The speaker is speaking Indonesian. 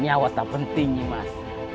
nyawa tak penting nih mas